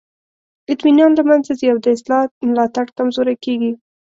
اطمینان له منځه ځي او د اصلاح ملاتړ کمزوری کیږي.